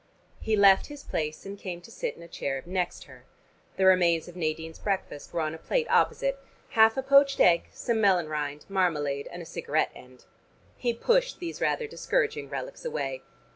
He left his place, and came to sit in a chair next her. The remains of Nadine's breakfast were on a plate opposite: half a poached egg, some melon rind, marmalade and a cigarette end. He pushed these rather discouraging relics away.